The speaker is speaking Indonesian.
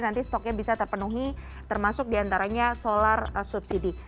nanti stoknya bisa terpenuhi termasuk diantaranya solar subsidi